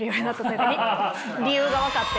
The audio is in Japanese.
理由が分かって。